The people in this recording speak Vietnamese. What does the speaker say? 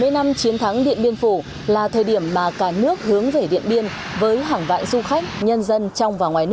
bảy mươi năm chiến thắng điện biên phủ là thời điểm mà cả nước hướng về điện biên với hàng vạn du khách nhân dân trong và ngoài nước